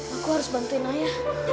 aku harus bantuin naya